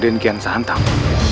dimana raden kiansantang